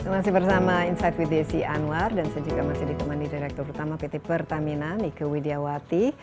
masih bersama insight with desy anwar dan saya juga masih di teman di direktur utama pt pertamina niko widjawati